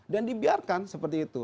dan dibiarkan seperti itu